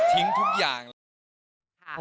ทิ้งทุกอย่างเลย